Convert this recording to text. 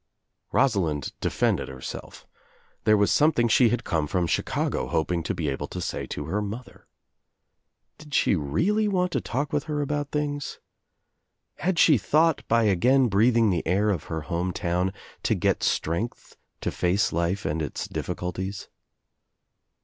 Rosalind defended herself. There was something she had come from Chicago hoping to be able to say to her mother. Did she really want to talk with her about things? Had she thought, by again breathing the air of her home town, to get strength to face life and its difHcuities?